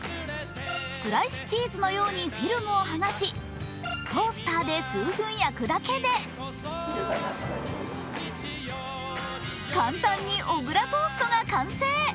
スライスチーズのようにフィルムを剥がし、トースターで数分焼くだけで簡単に小倉トーストが完成。